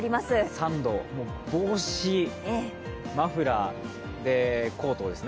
３度、帽子、マフラーでコートですね。